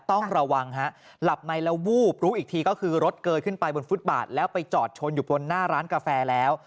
ต้องระวังฮะหลับในแล้ววูบรู้อีกทีก็คือรถเกยขึ้นไปบนฟุตบาทแล้วไปจอดชนอยู่บนหน้าร้านกาแฟแล้ว